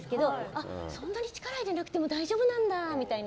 あ、そんなに力入れなくても大丈夫なんだみたいな。